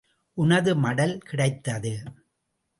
உனது மடல் கிடைத்தது.